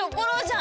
ん。